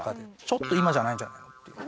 ちょっと今じゃないんじゃない？っていう。